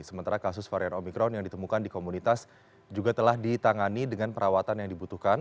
sementara kasus varian omikron yang ditemukan di komunitas juga telah ditangani dengan perawatan yang dibutuhkan